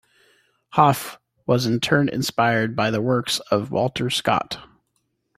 Hauff was in turn inspired by the works of Walter Scott.